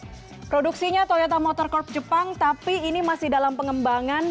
ini produksinya toyota motor corp jepang tapi ini masih dalam pengembangan